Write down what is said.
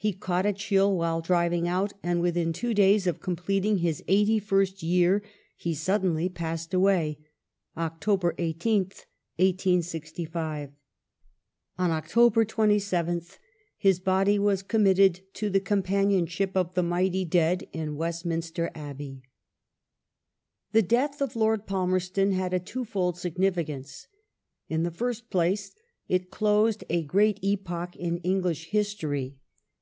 He caught a chill while driving out, and within two days of com pleting his eighty first year he suddenly passed away (Oct. 18th, 1865). On October 27th his body was committed to the com panionship of the mighty dead in Westminster Abbey. The death of Lord Palmereton had a two fold significance. In the first place, it closed a great epoch in English history.